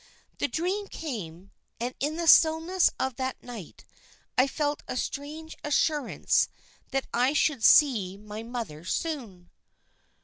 The dream came, and in the stillness of that night I felt a strange assurance that I should see my mother soon."